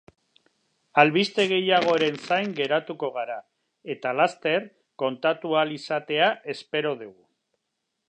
Albiste gehiagoren zain geratuko gara, eta laster kontatu ahal izatea espero dugu.